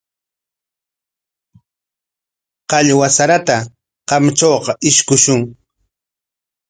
Qallwa sarata kamchapaq ishkushun.